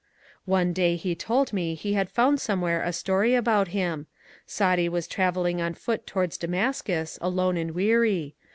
One day he told me he had found somewhere a story about him. Saadi was travelling on foot towards Damascus, alone and weary.